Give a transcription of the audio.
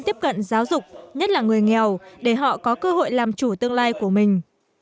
tiếp cận giáo dục nhất là người nghèo để họ có cơ hội làm chủ tương lai của mình